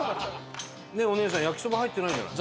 ねえお姉さん焼きそば入ってないじゃない。